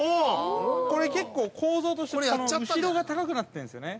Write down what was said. これ結構、構造として後ろが高くなってるんですよね。